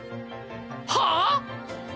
はあ！？